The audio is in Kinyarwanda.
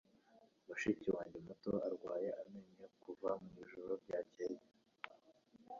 Mushiki wanjye muto arwaye amenyo kuva mwijoro ryakeye.